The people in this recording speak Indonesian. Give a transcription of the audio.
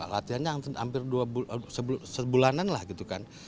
latihannya hampir sebulanan lah gitu kan